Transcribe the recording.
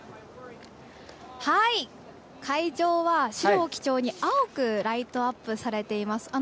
会場は、白を基調に青くライトアップされています。